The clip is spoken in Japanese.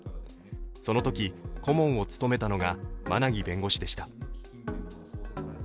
そのとき顧問を務めたのが馬奈木弁護士でした。